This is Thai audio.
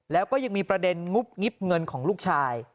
แล้วก็ยังมีประเด็นงุบงิบเงินของลูกชาย